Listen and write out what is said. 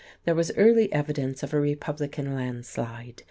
There was early evidence of a Republican land slide.